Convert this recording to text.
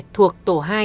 thuộc tổ hai